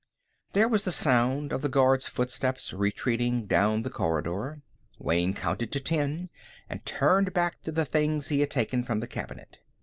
There was the sound of the guard's footsteps retreating down the corridor. Wayne counted to ten and turned back to the things he had taken from the cabinet.